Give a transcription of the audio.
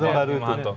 kekuatan baru itu